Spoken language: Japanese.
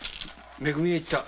め組へ行った。